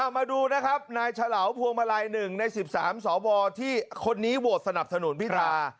มาดูนะครับนายฉลาวพวงมาลัย๑ใน๑๓สวที่คนนี้โหวตสนับสนุนพิธา